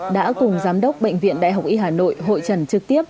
đã cùng giám đốc bệnh viện đại học y hà nội hội trần trực tiếp